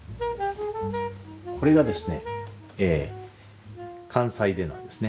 これがですね関西手なんですね。